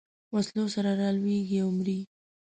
وسلو سره رالویېږي او مري.